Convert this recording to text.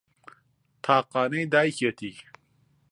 تاقانەی دایکیەتی